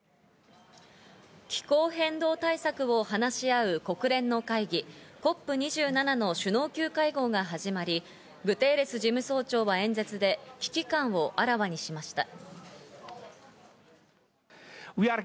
気候変動対策を話し合う国連の会議＝ＣＯＰ２７の首脳級会合が始まり、グテーレス事務総長は演説で危機感をあらわにしました。